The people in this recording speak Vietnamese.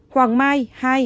hoàng mai hai